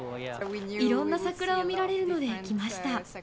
いろんな桜を見られるので、来ました。